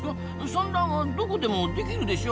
産卵はどこでもできるでしょ。